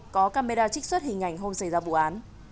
có camera trích xuất hình ảnh hôm xảy ra vụ án